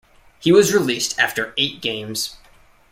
He was released after eight games.